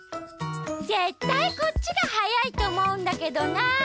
ぜったいこっちがはやいとおもうんだけどな。